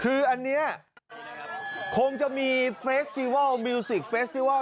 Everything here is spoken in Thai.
คืออันนี้คงจะมีเฟสติวัลมิวสิกเฟสที่ว่า